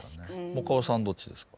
もかおさんどっちですか？